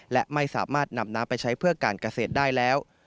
และไม่สามารถนำน้ำไปใช้เพื่อการเกษตรได้แล้ว